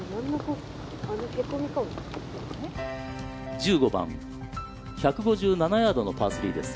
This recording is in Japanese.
１５番、１５７ヤードのパー３です。